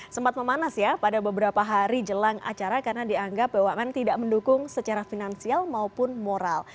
sempat memanas ya pada beberapa hari jelang acara karena dianggap bumn tidak mendukung secara finansial maupun moral